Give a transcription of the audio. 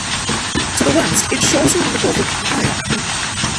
To the west its shores are on the Gulf of Paria.